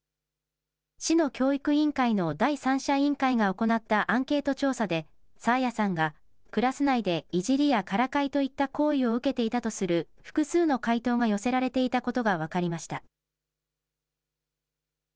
市の教育委員会の第三者委員会が行ったアンケート調査で、爽彩さんがクラス内で、いじりやからかいといった行為を受けていたとする複数の回答が寄せられていたことが分かりました。